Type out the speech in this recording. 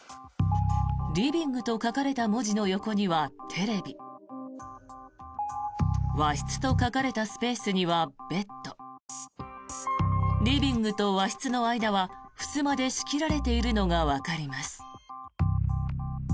「リビング」と書かれた文字の横にはテレビ「和室」と書かれたスペースにはベッドリビングと和室の間はふすまで仕切られているのがわかります。